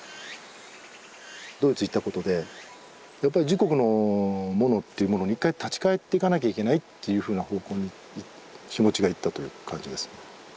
ドイツ行ったことでやっぱり自国のものっていうものに一回立ち返っていかなきゃいけないっていうふうな方向に気持ちがいったという感じですね。